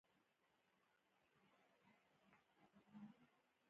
هر څوک ځان د دین ویاند بولي.